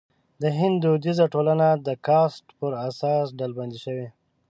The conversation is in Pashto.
د هند دودیزه ټولنه د کاسټ پر اساس ډلبندي شوې.